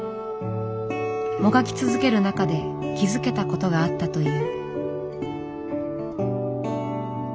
もがき続ける中で気付けたことがあったという。